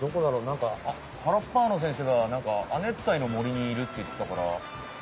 なんかハラッパーノ先生がなんか亜熱帯の森にいるっていってたから。